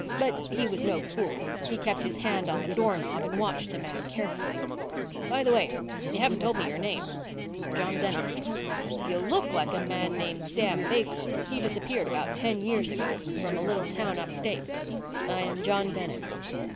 But he was no fool. He kept his hand on the doorknob and watched the man carefully. "By the way, you haven't told me your name." "John Dennis." "You look like a man named Sam Baker. He disappeared about ten years ago from a little town upstate." "I am John Dennis."